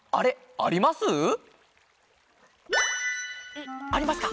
ありますか？